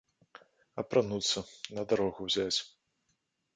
Апрануцца, на дарогу ўзяць.